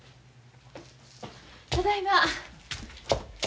ただいま。